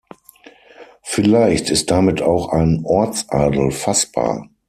Vielleicht ist damit auch ein Ortsadel fassbar.